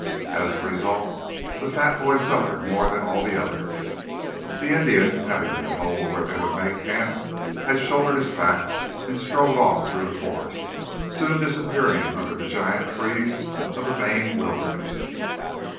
As a result, the fat boy suffered more than all the others. The Indian, having been told where they would make camp, had shouldered his pack and strode off through the forest, soon disappearing under the giant trees of the Maine Wilderness.